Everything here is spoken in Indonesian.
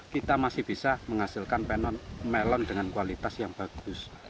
kita masih bisa menghasilkan melon dengan kualitas yang bagus